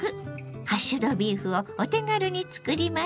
ハッシュドビーフをお手軽に作ります。